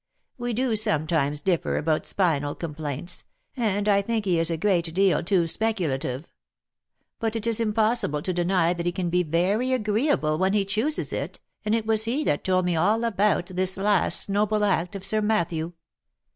We do sometimes differ about spinal complaints, and I think he is a great deal too speculative. But it is impossible to deny that he can be very agreeable when he chooses it, and it was he that told me all about this last noble act of Sir Matthew.